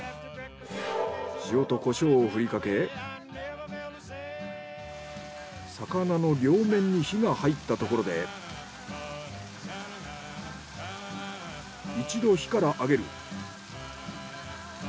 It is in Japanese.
塩とコショウをふりかけ魚の両面に火が入ったところで一度火からあげる。